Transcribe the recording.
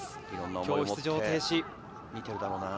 今日は出場停止。